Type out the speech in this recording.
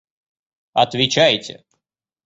Отвечайте.